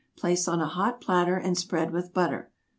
Place on a hot platter, and spread with butter.